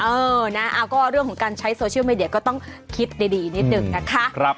เออนะก็เรื่องของการใช้โซเชียลมีเดียก็ต้องคิดดีนิดหนึ่งนะคะ